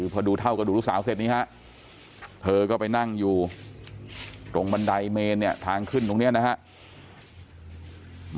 พอดูเท่ากระดูกลูกสาวเสร็จนี้ฮะเธอก็ไปนั่งอยู่ตรงบันไดเมนเนี่ยทางขึ้นตรงนี้นะครับ